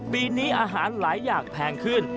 ปีนี้อาหารหลายอย่างแพงขึ้น